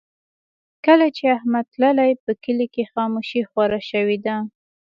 کله چې احمد تللی، په کلي کې خاموشي خوره شوې ده.